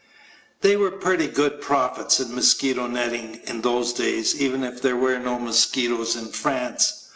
There were pretty good profits in mosquito netting in those days, even if there were no mosquitoes in France.